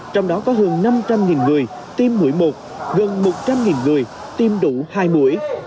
trong đó có hơn năm trăm linh người tiêm mũi một gần một trăm linh người tiêm đủ hai mũi